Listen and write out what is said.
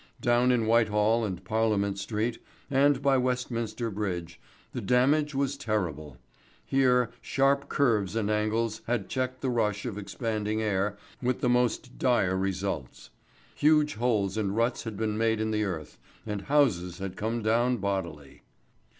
Down in Whitehall and Parliament Street, and by Westminster Bridge, the damage was terrible. Here sharp curves and angles had checked the rush of expanding air with the most dire results. Huge holes and ruts had been made in the earth, and houses had come down bodily.